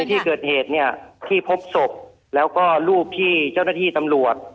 ที่เกิดเหตุเนี่ยที่พบศพแล้วก็รูปที่เจ้าหน้าที่ตำรวจ